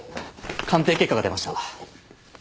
鑑定結果が出ました。